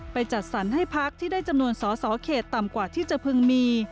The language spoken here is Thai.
จัดสรรให้พักที่ได้จำนวนสอสอเขตต่ำกว่าที่จะพึงมี